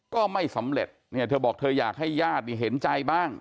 ก็ไม่สำเร็จเนี่ยเธอบอกเธออยากให้ญาติเห็นใจบ้าง